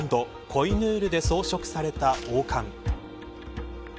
コイヌールで装飾された王冠。